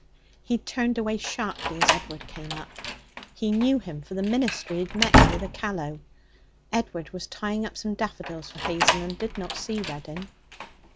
He turned away sharply as Edward came up. He knew him for the minister he had met near the Callow. Edward was tying up some daffodils for Hazel, and did not see Reddin.